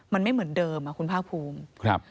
มันไม่เหมือนเดิมคุณภาคภูมิ